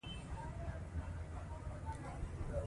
سیلاني ځایونه د خلکو له اعتقاداتو سره تړاو لري.